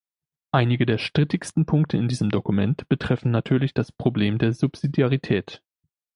Einige der strittigsten Punkte in diesem Dokument betreffen natürlich das Problem der Subsidiarität.